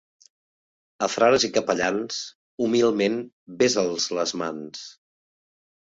A frares i capellans, humilment besa'ls les mans.